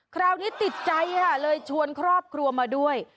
คราวนี้ติดใจค่ะเลยชวนครอบครัวมาด้วย